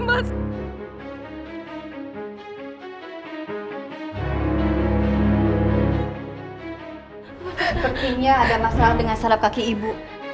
sepertinya ada masalah dengan sarap kaki ibu